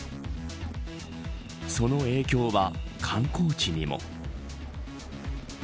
その影響は観光地にも。